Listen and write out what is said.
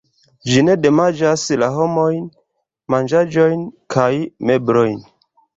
Ĝi ne damaĝas la homajn manĝaĵojn kaj meblojn.